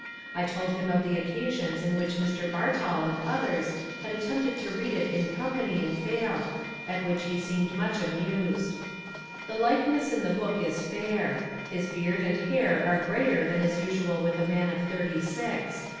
I told nim of the occa sions in which Mr. Bartol and others had attempted to read it in company and failed, at which he seemed much amused. The likeness in the book is fair. His beard and hair are greyer than is usual with a man of thirty six.